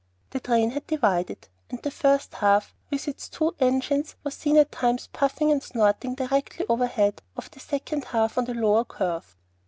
The train had been divided; and the first half with its two engines was seen at times puffing and snorting directly overhead of the second half on the lower curve.